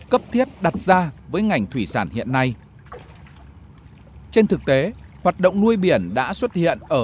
cấp thiết đặt ra với ngành thủy sản hiện nay trên thực tế hoạt động nuôi biển đã xuất hiện ở